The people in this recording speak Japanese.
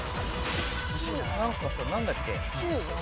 何かさ何だっけ？